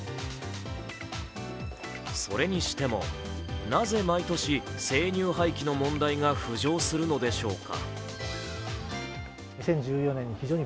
それにしてもなぜ毎年、生乳廃棄の問題が浮上するのでしょうか。